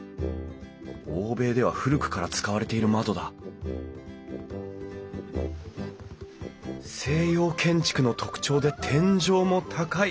欧米では古くから使われている窓だ西洋建築の特徴で天井も高い！